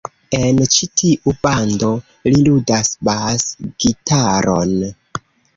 En ĉi-tiu bando, li ludas bas-gitaron.